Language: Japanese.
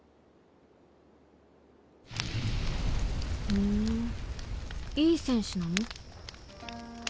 ふんいい戦士なの？